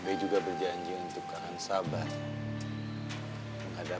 be juga berjanji untuk kangen sabar menghadapi adriana